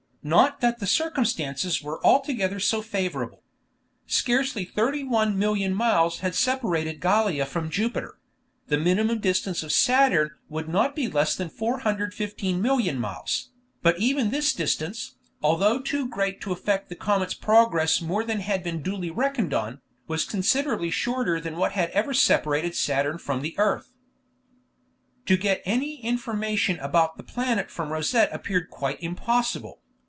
Not that the circumstances were altogether so favorable. Scarcely 31,000,000 miles had separated Gallia from Jupiter; the minimum distance of Saturn would not be less than 415,000,000 miles; but even this distance, although too great to affect the comet's progress more than had been duly reckoned on, was considerably shorter than what had ever separated Saturn from the earth. To get any information about the planet from Rosette appeared quite impossible.